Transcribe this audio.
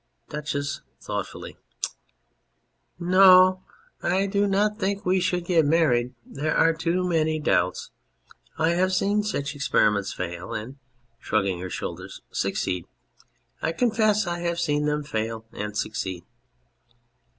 DUCHESS (thoughtfully}. No, I do not think we should get married. There are too many doubts. ... I have seen such experiments fail ... and (shrugging her shoulders] succeed ... I confess I have seen them fail and succeed.